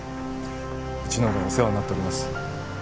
うちのがお世話になっております。